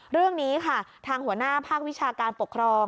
เรื่องนี้ค่ะทางหัวหน้าภาควิชาการปกครอง